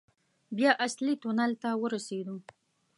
بيا اصلي تونل ته ورسېدو.